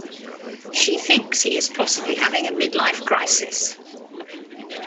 She thinks he is possibly having a midlife crisis.